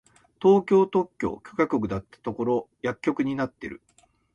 東京特許許可局だったところ薬局になってる！